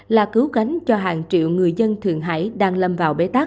là cứu cánh cho hàng triệu người dân thượng hải đang lâm vào bế tắc